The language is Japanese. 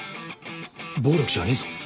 暴力じゃねえぞ。